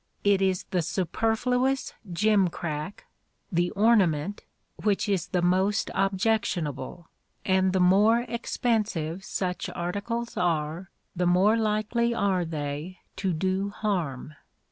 It is the superfluous gimcrack the "ornament" which is most objectionable, and the more expensive such articles are the more likely are they to do harm.